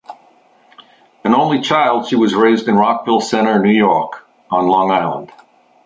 An only child, she was raised in Rockville Centre, New York on Long Island.